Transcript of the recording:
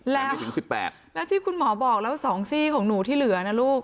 แล้วที่คุณหมอบอกแล้ว๒ซี่ของหนูที่เหลือนะลูก